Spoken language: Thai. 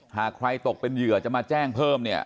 หากใครตกเป็นเหยื่อจะมาแจ้งเพิ่มเนี่ย